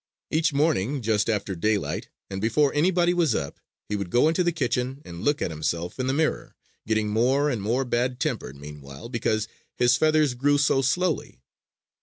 Each morning, just after daylight, and before anybody was up, he would go into the kitchen and look at himself in the mirror, getting more and more bad tempered meanwhile because his feathers grew so slowly.